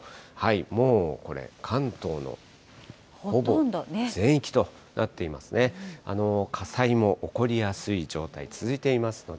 もうこれ、関東のほぼ全域となっていますね。